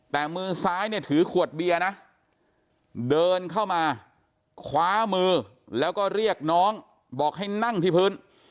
แต่มือซ้ายเนี่ยถือขวดเบียร์นะเดินเข้ามาคว้ามือแล้วก็เรียกน้องบอกให้นั่งที่พื้น